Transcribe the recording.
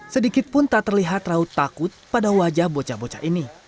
sedikit pun tak terlihat raut takut pada wajah bocah bocah ini